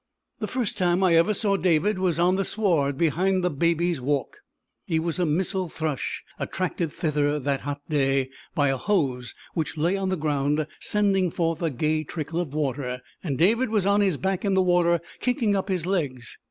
The first time I ever saw David was on the sward behind the Baby's Walk. He was a missel thrush, attracted thither that hot day by a hose which lay on the ground sending forth a gay trickle of water, and David was on his back in the water, kicking up his legs.